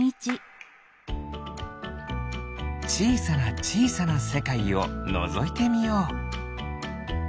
ちいさなちいさなせかいをのぞいてみよう。